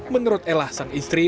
menurut elah sang istri